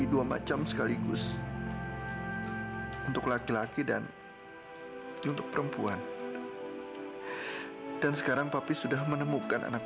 dua macam sekaligus untuk laki laki dan untuk perempuan dan sekarang papi sudah menemukan anak